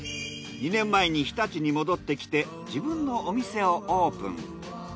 ２年前に日立に戻ってきて自分のお店をオープン。